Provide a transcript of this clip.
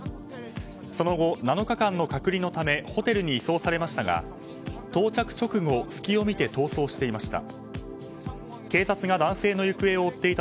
その後、７日間の隔離のためホテルに移送されましたが到着直後隙を見て逃走していました。